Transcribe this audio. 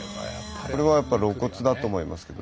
これはやっぱり露骨だと思いますけど。